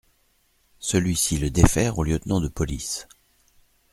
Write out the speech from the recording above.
Celui-ci le défère au lieutenant de police.